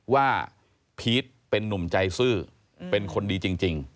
พีชเป็นนุ่มใจซื่อเป็นคนดีจริง